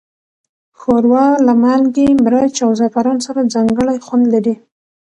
ښوروا له مالګې، مرچ، او زعفران سره ځانګړی خوند لري.